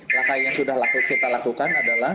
langkah yang sudah kita lakukan adalah